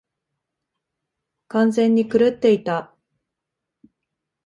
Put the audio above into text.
完全に狂っていた。